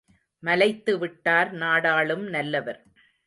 மலைத்து விட்டார் நாடாளும் நல்லவர்.